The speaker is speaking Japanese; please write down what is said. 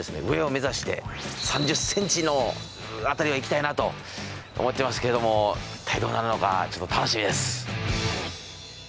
上を目指して３０ｃｍの辺りはいきたいなと思ってますけども一体どうなるのかちょっと楽しみです！